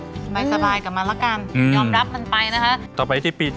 ช่วยสบายก่อนมาละกันยอมรับมันไปนะคะ